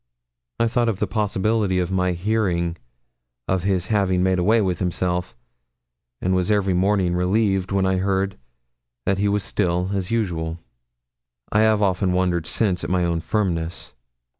I thought of the possibility of my hearing of his having made away with himself, and was every morning relieved when I heard that he was still as usual. I have often wondered since at my own firmness.